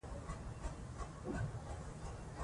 هغه ښوونکی چې موږ ته درس راکوي ډېر تکړه دی.